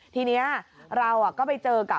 ทีนี้เราก็ไปเจอกับ